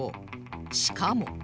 しかも